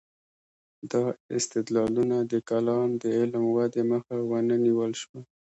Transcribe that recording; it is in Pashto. دا استدلالونه د کلام د علم ودې مخه ونه نیول شوه.